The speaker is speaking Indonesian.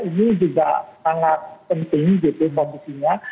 ini juga sangat penting gitu kondisinya